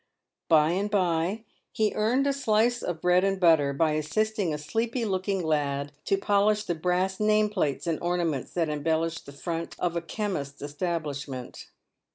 By and by, he earned a slice of bread and butter by assisting a sleepy looking lad to polish the brass .name plates and ornaments that embellished the front of a chemist's establishment.